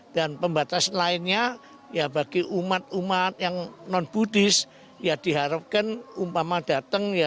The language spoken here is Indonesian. dan pembatasan lainnya ya bagi umat umat yang non buddhis ya diharapkan umpama datang ya